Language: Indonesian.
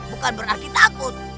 bukan berarti takut